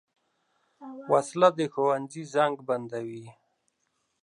وسله د ښوونځي زنګ بندوي